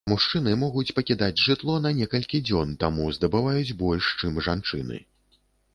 Мужчыны могуць пакідаць жытло на некалькі дзён, таму здабываюць больш, чым жанчыны.